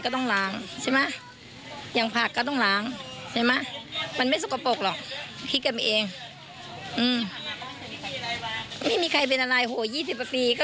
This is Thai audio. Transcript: ก็ตายกันหมดแล้วซิ